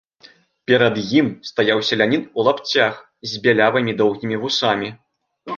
Перад ім стаяў селянін у лапцях, з бялявымі доўгімі вусамі.